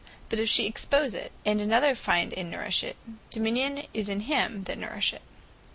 But if she expose it, and another find, and nourish it, the Dominion is in him that nourisheth it.